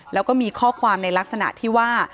แล้วก็มีข้อความในลักษณะที่ว่า